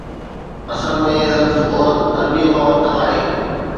اصل ۾ لفظ عورت عربيءَ مان ورتل آهي